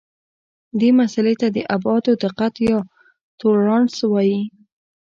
دې مسئلې ته د ابعادو دقت یا تولرانس هم وایي.